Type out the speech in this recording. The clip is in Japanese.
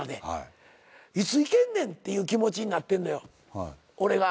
いつ行けんねんっていう気持ちになってんのよ俺が。